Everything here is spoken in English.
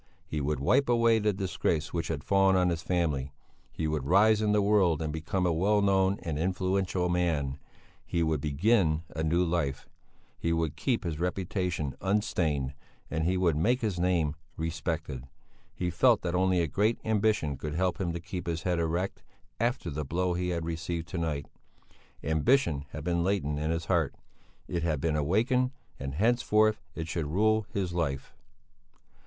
He would wipe away the disgrace which had fallen on his family; he would rise in the world and become a well known and influential man; he would begin a new life; he would keep his reputation unstained and he would make his name respected. He felt that only a great ambition could help him to keep his head erect after the blow he had received to night. Ambition had been latent in his heart; it had been awakened and henceforth it should rule his life.